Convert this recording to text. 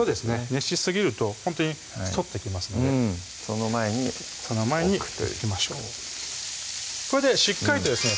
熱しすぎるとほんとに反ってきますのでその前にその前に置きましょうこれでしっかりとですね